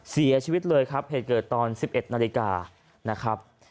เสียชีวิตเลยครับเหตุเกิดตอน๑๑นาฬิกานะครับ